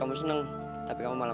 lain ini ini udah muncul